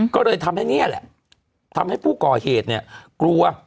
ก็เลยทำให้นี่แหละทำให้ผู้ก่อเหตุเนี่ยกลัว